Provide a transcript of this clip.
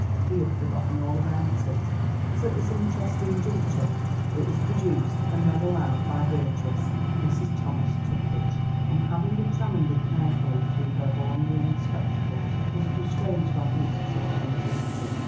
He had forgotten all about it, but at this interesting juncture it was produced and read aloud by Beatrice. Mrs. Thomas took it, and having examined it carefully through her horn rimmed spectacles, was constrained to admit its authenticity.